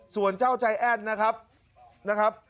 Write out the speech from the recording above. ส่วนเจ้าใจแอดนะครับ